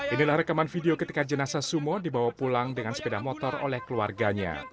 inilah rekaman video ketika jenasa sumo dibawa pulang dengan sepeda motor oleh keluarganya